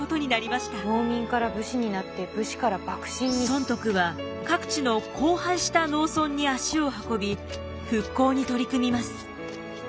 尊徳は各地の荒廃した農村に足を運び復興に取り組みます。